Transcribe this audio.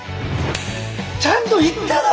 ちゃんと言っただろう！